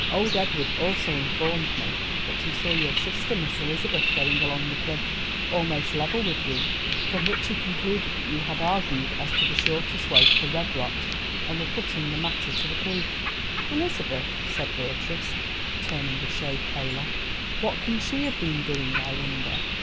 Old Edward also informed me that he saw your sister, Miss Elizabeth, going along the cliff almost level with you, from which he concluded that you had argued as to the shortest way to the Red Rocks and were putting the matter to the proof." "Elizabeth," said Beatrice, turning a shade paler; "what can she have been doing, I wonder."